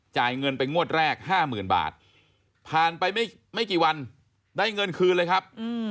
เงินไปงวดแรก๕๐๐๐บาทผ่านไปไม่กี่วันได้เงินคืนเลยครับ